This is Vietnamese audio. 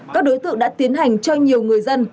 các đối tượng đã tiến hành cho nhiều người dân